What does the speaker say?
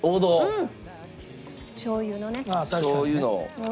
うん。